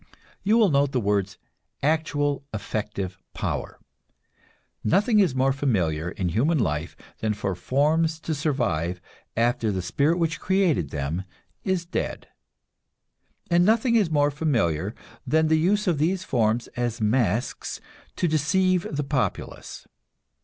You will note the words "actual, effective power." Nothing is more familiar in human life than for forms to survive after the spirit which created them is dead; and nothing is more familiar than the use of these forms as masks to deceive the populace.